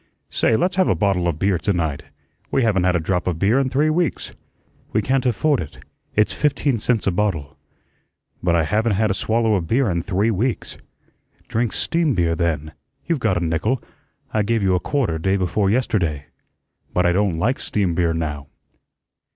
"Say, let's have a bottle of beer to night. We haven't had a drop of beer in three weeks." "We can't afford it. It's fifteen cents a bottle." "But I haven't had a swallow of beer in three weeks." "Drink STEAM beer, then. You've got a nickel. I gave you a quarter day before yesterday." "But I don't like steam beer now."